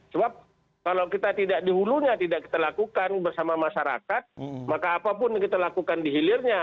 sebab kalau kita tidak di hulunya tidak kita lakukan bersama masyarakat maka apapun yang kita lakukan di hilirnya